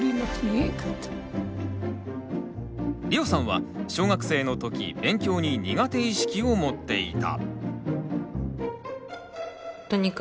りょうさんは小学生の時勉強に苦手意識を持っていた。